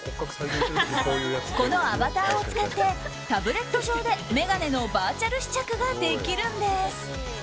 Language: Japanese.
このアバターを使ってタブレット上で眼鏡のバーチャル試着ができるんです。